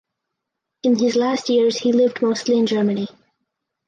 In his last years he lived mostly in Germany.